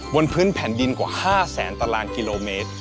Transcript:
บนพื้นแผ่นดินกว่า๕แสนตารางกิโลเมตร